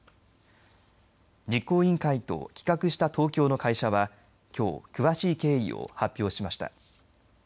実行委員会と企画した東京の会社はきょう詳しい経緯を発表しました。